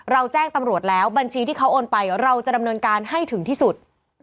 แจ้งตำรวจแล้วบัญชีที่เขาโอนไปเราจะดำเนินการให้ถึงที่สุด